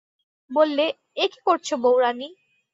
বললে, এ কী করছ বউরানী?